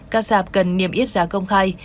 các sạp cần niêm yết giá công khai